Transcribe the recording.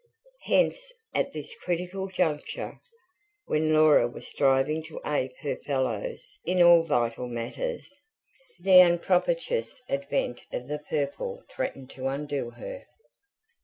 Hence, at this critical juncture, when Laura was striving to ape her fellows in all vital matters, the unpropitious advent of the purple threatened to undo her.